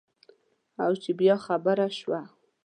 او چې بیا خبره شوه.